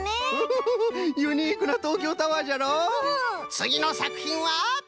つぎのさくひんは？